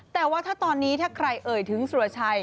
แต่ว่าถ้าตอนนี้ถ้าใครเอ่ยถึงสุรชัย